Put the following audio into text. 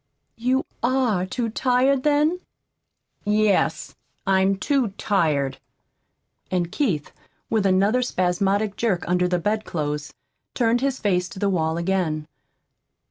"You ARE too tired, then?" "Yes, I'm too tired." And Keith, with another spasmodic jerk under the bedclothes, turned his face to the wall again.